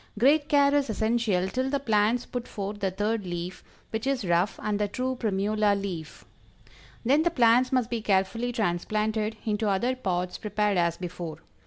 Great care is essential till the plants put forth the third leaf, which is rough and the true primula leaf. Then the plants must be carefully transplanted into other pots prepared as before.